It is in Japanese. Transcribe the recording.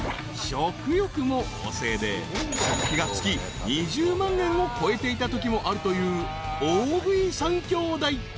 ［食欲も旺盛で食費が月２０万円を超えていたときもあるという大食い三兄弟］